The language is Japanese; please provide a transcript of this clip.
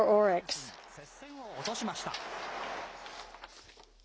阪神、接戦を落としました。